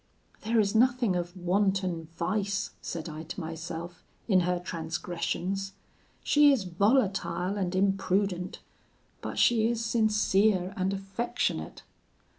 'There is nothing of wanton vice,' said I to myself, 'in her transgressions; she is volatile and imprudent, but she is sincere and affectionate.'